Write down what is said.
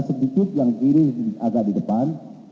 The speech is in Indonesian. sedikit yang kiri agak di depan